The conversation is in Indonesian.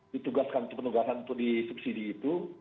ditugaskan penugasan untuk disubsidi itu